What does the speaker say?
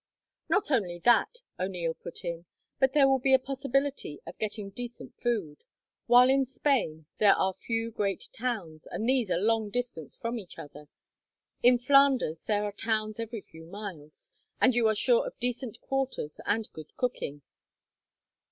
"Not only that," O'Neil put in, "but there will be a possibility of getting decent food. While in Spain there are few great towns, and these a long distance from each other; in Flanders there are towns every few miles, and you are sure of decent quarters and good cooking."